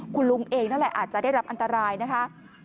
คุณลุงเองนั่นแหละอาจจะได้รับอันตรายนะคะ